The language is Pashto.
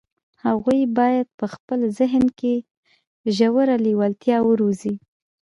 هغوی بايد په خپل ذهن کې ژوره لېوالتیا وروزي.